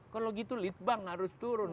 kalau gitu lead bank harus turun